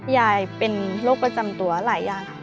ยายเป็นโรคประจำตัวหลายอย่างค่ะ